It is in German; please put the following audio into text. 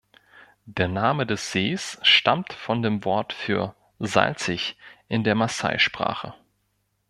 Der Name des Sees stammt von dem Wort für "salzig" in der Massai-Sprache.